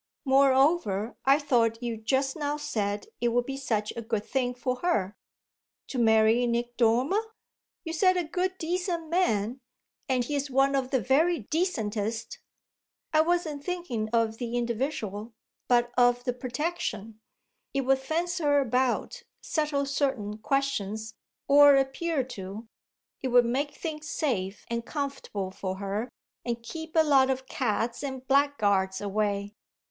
"Moreover, I thought you just now said it would be such a good thing for her." "To marry Nick Dormer?" "You said a good decent man, and he's one of the very decentest." "I wasn't thinking of the individual, but of the protection. It would fence her about, settle certain questions, or appear to; it would make things safe and comfortable for her and keep a lot of cads and blackguards away."